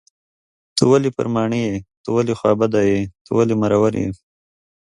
ته ولې پر ماڼي یې .ته ولې خوابدی یې .ته ولې مرور یې